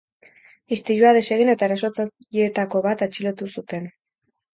Istilua desegin eta erasotzaileetako bat atxilotu zuten.